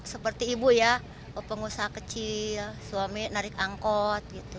seperti ibu ya pengusaha kecil suami narik angkot gitu